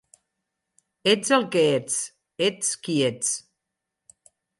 Ets el que ets, ets qui ets.